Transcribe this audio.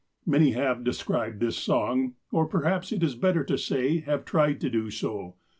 Many have described this song, or perhaps it is better to say have tried to do so.